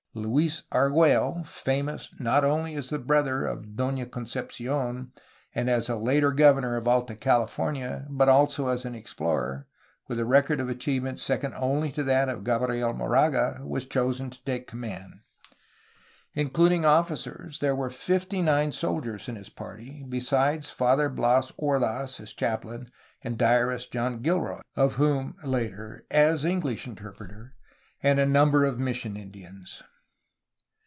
Luis Argiiello, famous not only as the brother of Dona Concepci6n and as a later governor of Alta California but also as an explorer, with a record of achievement second only to that of Gabriel Moraga, was chosen to take command. Including officers, there were fifty nine soldiers in his party, besides Father Bias Ordaz as chaplain and diarist, John Gilroy (of whom, later) as English interpreter, and a number of mission Indinas.